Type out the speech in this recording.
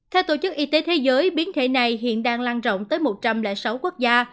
theo tổ chức y tế thế giới biến thể này hiện đang lan rộng tới một trăm linh sáu quốc gia